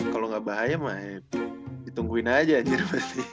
kalau nggak bahaya mah ditungguin aja gitu